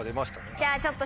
じゃあちょっと。